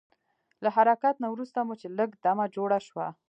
له حرکت نه وروسته مو چې لږ دمه جوړه شوه.